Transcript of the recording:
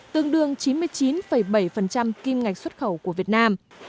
tương đương chín mươi chín bảy kim ngạch xuất khẩu của việt nam